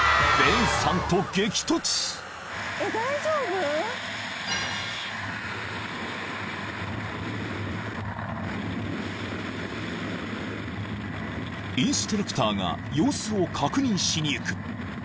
［インストラクターが様子を確認しに行く］